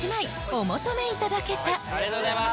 ありがとうございます。